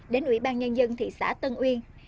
đến ủy ban nhân dân thị xã tân uyên